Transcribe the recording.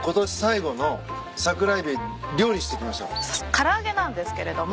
唐揚げなんですけれども。